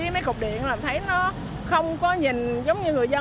mấy cục điện làm thấy nó không có nhìn giống như người dân